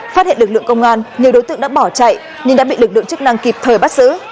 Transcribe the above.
phát hiện lực lượng công an nhiều đối tượng đã bỏ chạy nhưng đã bị lực lượng chức năng kịp thời bắt giữ